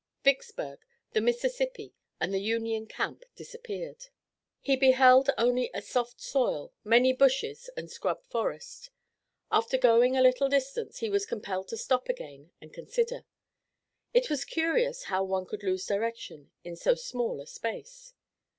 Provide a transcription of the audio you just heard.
Vicksburg, the Mississippi, and the Union camp disappeared. He beheld only a soft soil, many bushes and scrub forest. After going a little distance he was compelled to stop again and consider. It was curious how one could lose direction in so small a space.